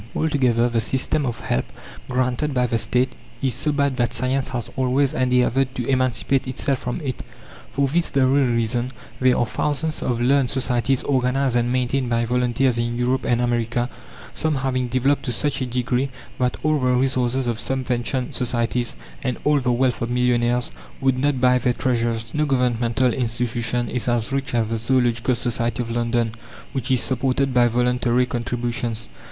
Altogether, the system of help granted by the State is so bad that science has always endeavoured to emancipate itself from it. For this very reason there are thousands of learned societies organized and maintained by volunteers in Europe and America, some having developed to such a degree that all the resources of subventioned societies, and all the wealth of millionaires, would not buy their treasures. No governmental institution is as rich as the Zoological Society of London, which is supported by voluntary contributions.